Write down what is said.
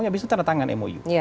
habis itu tanda tangan mou